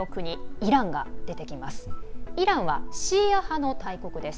イランは、シーア派の大国です。